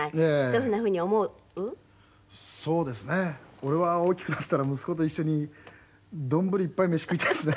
俺は大きくなったら息子と一緒に丼いっぱい飯食いたいですね。